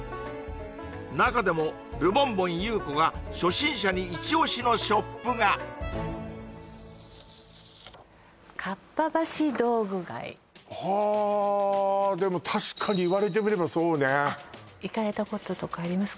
中でもルボンボン優子が初心者にイチ押しのショップがはでも確かに言われてみればそうね行かれたこととかありますか？